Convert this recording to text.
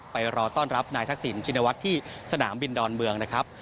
รอต้อนรับนายทักษิณชินวัฒน์ที่สนามบินดอนเมืองนะครับ